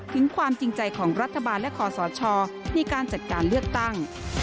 ถึงความจริงใจของรัฐบาลและขอสชในการจัดการเลือกตั้ง